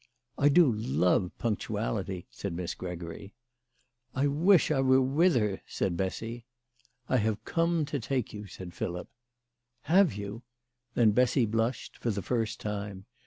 " I do love punctuality," said Miss Gregory. " I wish I were with her," said Bessy. " I have come to take you/' said Philip. " Have you ?" Then Bessy blushed, for the first time.